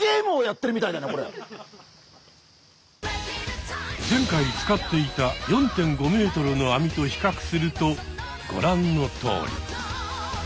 先生なんかもう前回使っていた４．５ｍの網と比較するとご覧のとおり。